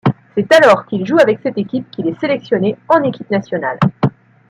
C’est alors qu’il joue avec cette équipe qu’il est sélectionné en équipe nationale.